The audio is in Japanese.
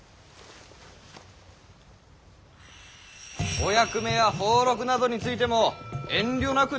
お役目や俸禄などについても遠慮なく尋ねられよ。